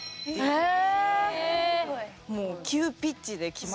へえ！